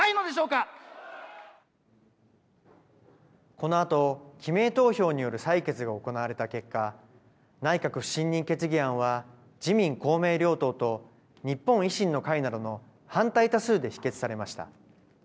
このあと記名投票による採決が行われた結果、内閣不信任決議案は自民、公明両党と、日本維新の会などの反対多数で否決されました。